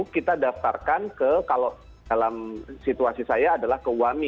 kita daftarkan ke kalau dalam situasi saya adalah ke wami